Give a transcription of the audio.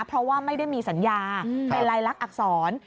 เพราะว่าไม่ได้มีสัญญาเป็นลายลักษร